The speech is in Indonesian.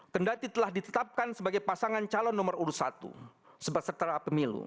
kendali telah ditetapkan sebagai pasangan calon nomor urus satu sebesar pemilu